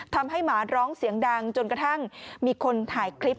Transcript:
หมาร้องเสียงดังจนกระทั่งมีคนถ่ายคลิป